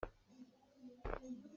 Yangon kan kal ah Mandalay kan pal pah.